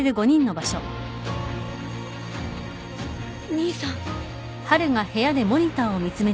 兄さん。